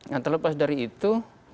yang terlepas dari itu